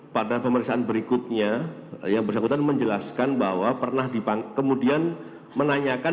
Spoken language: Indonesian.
pada pemeriksaan berikutnya yang bersangkutan menjelaskan bahwa pernah kemudian menanyakan